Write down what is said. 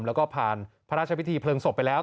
แล้วก็ผ่านพระราชพิธีเพลิงศพไปแล้ว